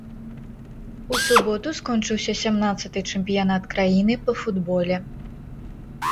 У суботу скончыўся сямнаццаты чэмпіянат краіны па футболе.